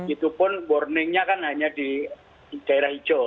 itu pun warningnya kan hanya di daerah hijau